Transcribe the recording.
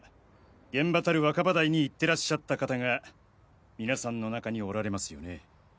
現場たる若葉台に行ってらっしゃった方が皆さんの中におられますよね。